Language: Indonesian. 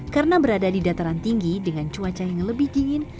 karena berada di dataran tinggi dengan cuaca yang lebih dingin